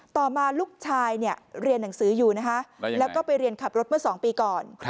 ต่อมาลูกชายเรียนหนังสืออยู่นะคะแล้วก็ไปเรียนขับรถเมื่อ๒ปีก่อน